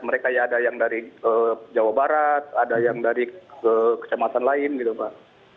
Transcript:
mereka ya ada yang dari jawa barat ada yang dari kecamatan lain gitu pak